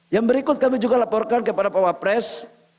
yang berikut kami juga laporkan kepada pak wapres